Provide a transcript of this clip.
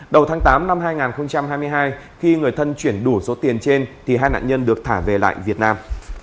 đầu tháng tám năm hai nghìn hai mươi hai khi người thân chuyển đủ số tiền trên thì hai nạn nhân được thả về lại việt nam